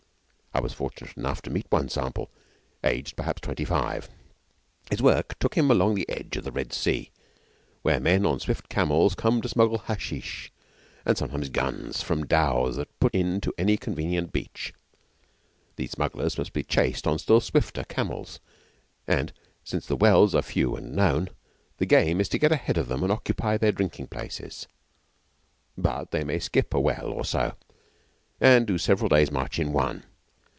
I was fortunate enough to meet one sample, aged perhaps twenty five. His work took him along the edge of the Red Sea, where men on swift camels come to smuggle hashish, and sometimes guns, from dhows that put in to any convenient beach. These smugglers must be chased on still swifter camels, and since the wells are few and known, the game is to get ahead of them and occupy their drinking places. But they may skip a well or so, and do several days' march in one.